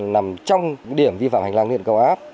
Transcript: nằm trong điểm vi phạm hành lang lưới điện có áp